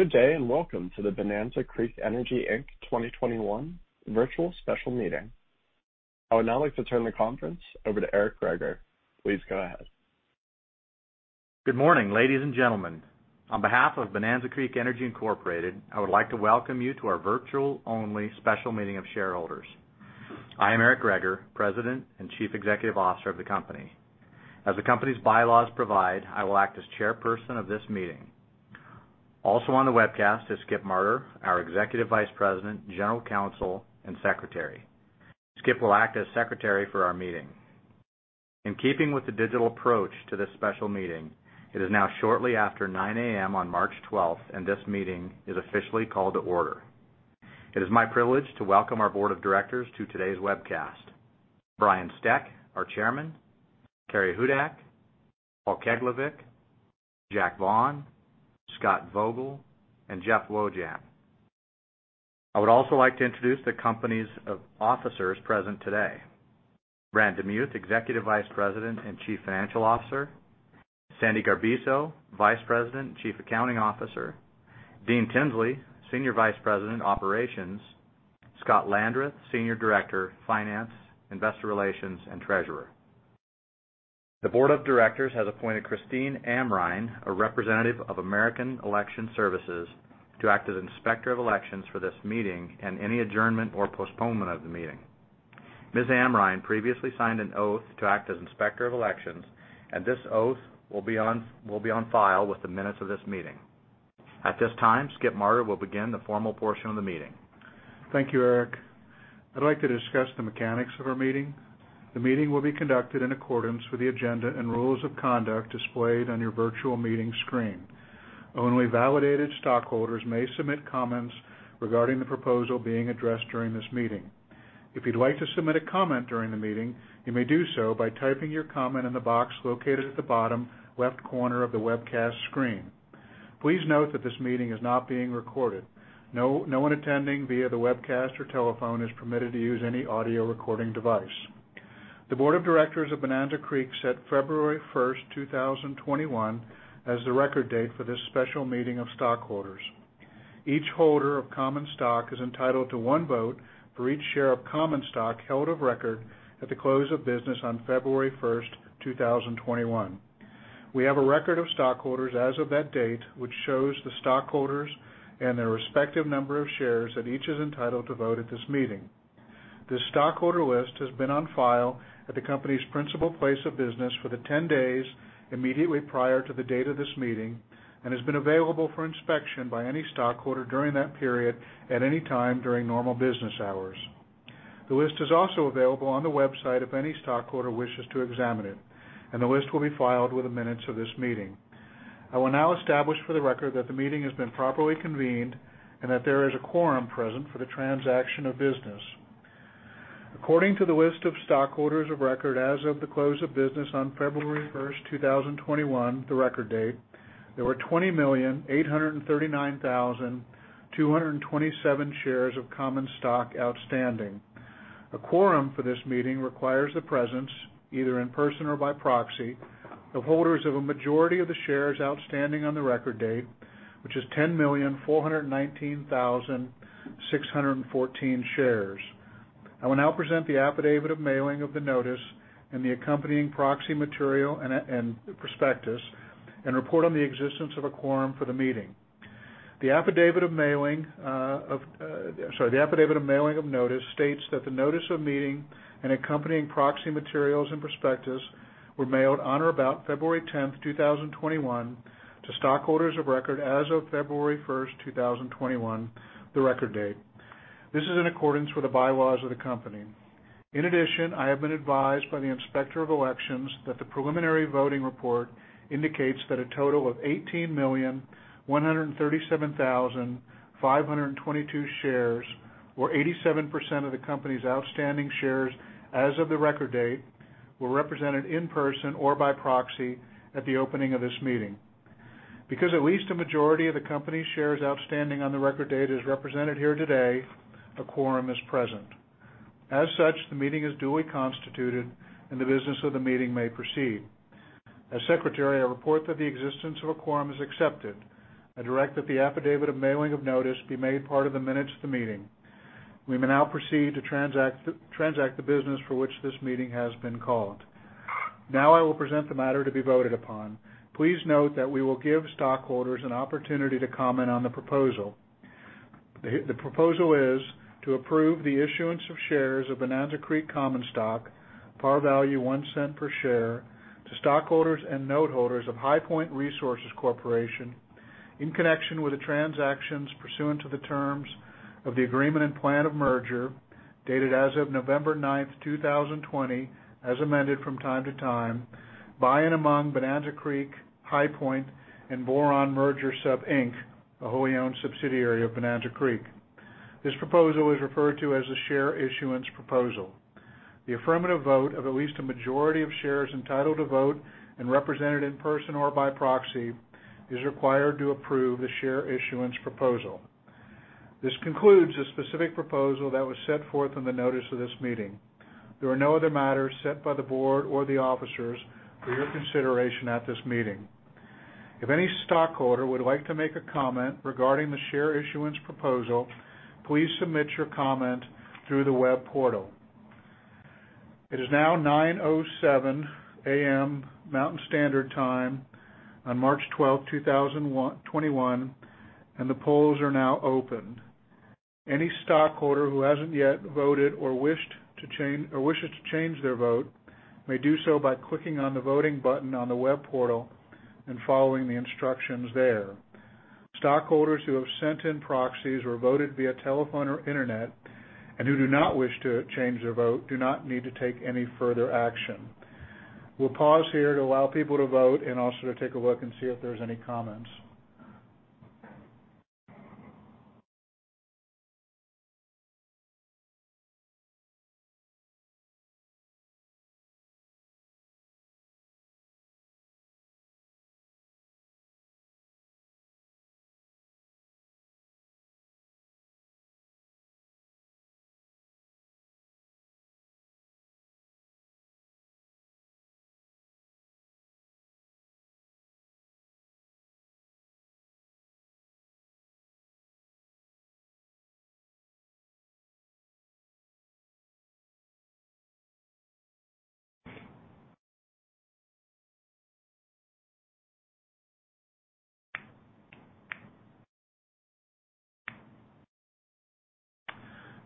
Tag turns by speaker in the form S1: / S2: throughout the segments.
S1: Good day, and welcome to the Bonanza Creek Energy, Inc. 2021 virtual special meeting. I would now like to turn the conference over to Eric Greager. Please go ahead.
S2: Good morning, ladies and gentlemen. On behalf of Bonanza Creek Energy, Inc., I would like to welcome you to our virtual-only special meeting of shareholders. I am Eric Greager, President and Chief Executive Officer of the company. As the company's bylaws provide, I will act as Chairperson of this meeting. Also on the webcast is Cyrus Marter, our Executive Vice President, General Counsel, and Secretary. Cyrus will act as Secretary for our meeting. In keeping with the digital approach to this special meeting, it is now shortly after 9:00 A.M. on March 12th, and this meeting is officially called to order. It is my privilege to welcome our board of directors to today's webcast. Brian Steck, our Chairman, Carrie Hudak, Paul Keglevic, Jack Vaughn, Scott Vogel, and Jeffrey Wojahn. I would also like to introduce the company's officers present today. Brant DeMuth, Executive Vice President and Chief Financial Officer. Sandi Garbiso, Vice President and Chief Accounting Officer. Dean Tinsley, Senior Vice President, Operations. Scott Landreth, Senior Director, Finance, Investor Relations, and Treasurer. The board of directors has appointed Christine Amrine, a representative of American Election Services, to act as Inspector of Elections for this meeting and any adjournment or postponement of the meeting. Ms. Amrine previously signed an oath to act as Inspector of Elections, and this oath will be on file with the minutes of this meeting. At this time, Skip Marter will begin the formal portion of the meeting.
S3: Thank you, Eric Greager. I'd like to discuss the mechanics of our meeting. The meeting will be conducted in accordance with the agenda and rules of conduct displayed on your virtual meeting screen. Only validated stockholders may submit comments regarding the proposal being addressed during this meeting. If you'd like to submit a comment during the meeting, you may do so by typing your comment in the box located at the bottom left corner of the webcast screen. Please note that this meeting is not being recorded. No one attending via the webcast or telephone is permitted to use any audio recording device. The board of directors of Bonanza Creek set February 1st, 2021, as the record date for this special meeting of stockholders. Each holder of common stock is entitled to one vote for each share of common stock held of record at the close of business on February 1st, 2021. We have a record of stockholders as of that date, which shows the stockholders and their respective number of shares that each is entitled to vote at this meeting. This stockholder list has been on file at the company's principal place of business for the 10 days immediately prior to the date of this meeting and has been available for inspection by any stockholder during that period at any time during normal business hours. The list is also available on the website if any stockholder wishes to examine it, and the list will be filed with the minutes of this meeting. I will now establish for the record that the meeting has been properly convened and that there is a quorum present for the transaction of business. According to the list of stockholders of record as of the close of business on February 1st, 2021, the record date, there were 20,839,227 shares of common stock outstanding. A quorum for this meeting requires the presence, either in person or by proxy, of holders of a majority of the shares outstanding on the record date, which is 10,419,614 shares. I will now present the affidavit of mailing of the notice and the accompanying proxy material and prospectus and report on the existence of a quorum for the meeting. The affidavit of mailing Sorry. The affidavit of mailing of notice states that the notice of meeting and accompanying proxy materials and prospectus were mailed on or about February 10th, 2021 to stockholders of record as of February 1st, 2021, the record date. This is in accordance with the bylaws of the company. In addition, I have been advised by the Inspector of Elections that the preliminary voting report indicates that a total of 18,137,522 shares, or 87% of the company's outstanding shares as of the record date, were represented in person or by proxy at the opening of this meeting. Because at least a majority of the company's shares outstanding on the record date is represented here today, a quorum is present. As such, the meeting is duly constituted and the business of the meeting may proceed. As secretary, I report that the existence of a quorum is accepted. I direct that the affidavit of mailing of notice be made part of the minutes of the meeting. We may now proceed to transact the business for which this meeting has been called. Now I will present the matter to be voted upon. Please note that we will give stockholders an opportunity to comment on the proposal. The proposal is to approve the issuance of shares of Bonanza Creek common stock, par value $0.01 per share, to stockholders and note holders of HighPoint Resources Corporation in connection with the transactions pursuant to the terms of the agreement and plan of merger, dated as of November 9th, 2020, as amended from time to time, by and among Bonanza Creek, HighPoint, and Boron Merger Sub, Inc., a wholly owned subsidiary of Bonanza Creek. This proposal is referred to as the share issuance proposal. The affirmative vote of at least a majority of shares entitled to vote and represented in person or by proxy is required to approve the share issuance proposal. This concludes the specific proposal that was set forth in the notice of this meeting. There are no other matters set by the board or the officers for your consideration at this meeting. If any stockholder would like to make a comment regarding the share issuance proposal, please submit your comment through the web portal. It is now 9:07 A.M. Mountain Standard Time on March 12, 2021, and the polls are now open. Any stockholder who hasn't yet voted or wishes to change their vote may do so by clicking on the voting button on the web portal and following the instructions there. Stockholders who have sent in proxies or voted via telephone or internet and who do not wish to change their vote do not need to take any further action. We'll pause here to allow people to vote and also to take a look and see if there's any comments.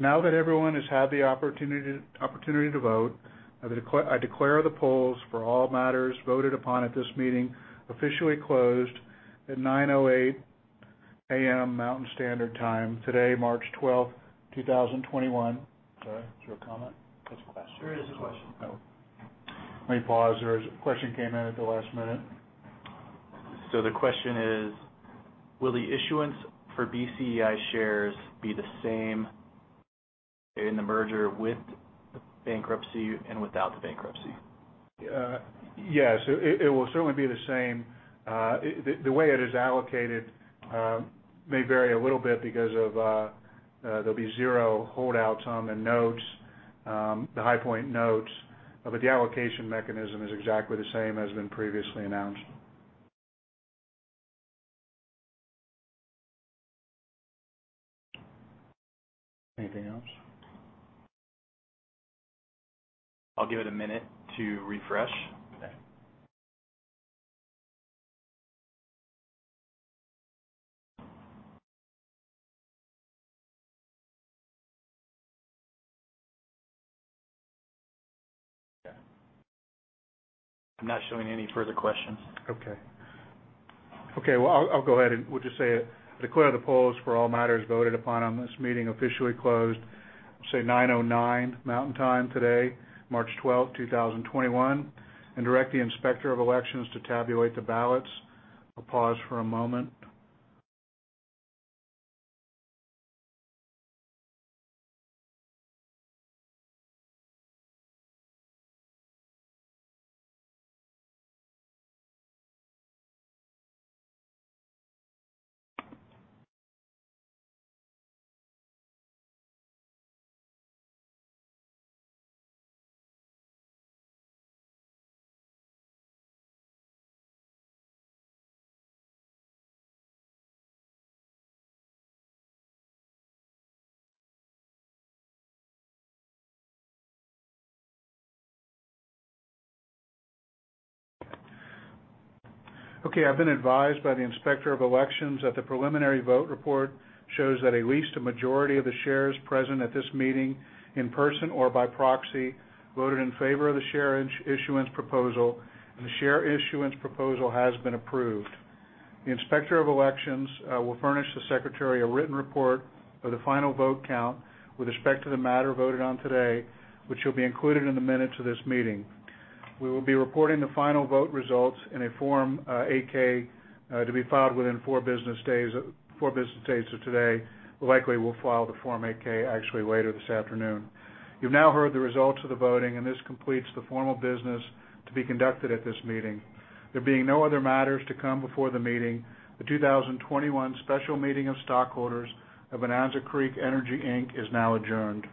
S3: Now that everyone has had the opportunity to vote, I declare the polls for all matters voted upon at this meeting officially closed at 9:08 A.M. Mountain Standard Time today, March 12, 2021. Sorry, is there a comment?
S4: There's a question.
S3: There is a question. Let me pause. There is a question came in at the last minute.
S4: The question is, will the issuance for BCEI shares be the same in the merger with the bankruptcy and without the bankruptcy?
S3: Yes. It will certainly be the same. The way it is allocated may vary a little bit because there'll be zero holdouts on the notes, the HighPoint notes. The allocation mechanism is exactly the same as been previously announced. Anything else?
S4: I'll give it a minute to refresh.
S3: Okay.
S4: I'm not showing any further questions.
S3: Okay. Well, I'll go ahead and we'll just say I declare the polls for all matters voted upon on this meeting officially closed, say 9:09 A.M. Mountain Time today, March 12th, 2021, and direct the Inspector of Elections to tabulate the ballots. I'll pause for a moment. Okay, I've been advised by the Inspector of Elections that the preliminary vote report shows that at least a majority of the shares present at this meeting, in person or by proxy, voted in favor of the share issuance proposal, and the share issuance proposal has been approved. The Inspector of Elections will furnish the Secretary a written report of the final vote count with respect to the matter voted on today, which will be included in the minutes of this meeting. We will be reporting the final vote results in a Form 8-K to be filed within four business days of today. Likely, we'll file the Form 8-K actually later this afternoon. You've now heard the results of the voting. This completes the formal business to be conducted at this meeting. There being no other matters to come before the meeting, the 2021 special meeting of stockholders of Bonanza Creek Energy, Inc. is now adjourned.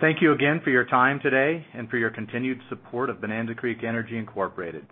S2: Thank you again for your time today and for your continued support of Bonanza Creek Energy, Incorporated.